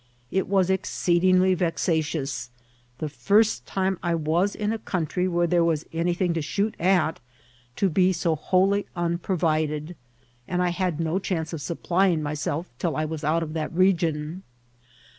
It was exceeding ly vexatious, the first time I was in a country where there was anything to shoot at, to be so wholly unpro vided, and I had no chance of supplying myself till I was out of that region.